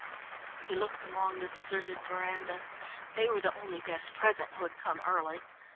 He looked along the deserted veranda. They were the only guests present who had come early.